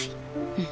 うん。